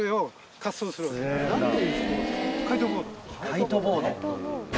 カイトボード。